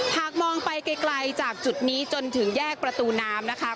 หากมองไปไกลจากจุดนี้จนถึงแยกประตูน้ำนะคะ